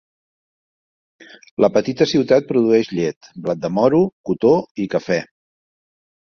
La petita ciutat produeix llet, blat de moro, cotó i cafè.